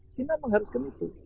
cina mengharuskan itu